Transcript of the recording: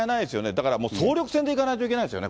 だからもう総力戦でいかないといけないですよね。